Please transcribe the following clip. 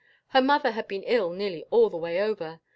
Her mother had been ill nearly all the way over.